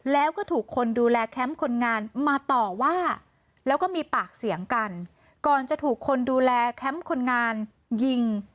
แล้วก็ถูกคนดูแลแคมป์คนงานมาต่อว่าแล้วก็มีปากเสียงกันก่อนจะถูกคนดูแลแคมป์คนงานยิง